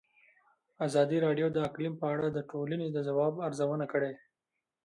ازادي راډیو د اقلیم په اړه د ټولنې د ځواب ارزونه کړې.